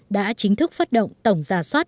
đã chính thức phát động tổng giả soát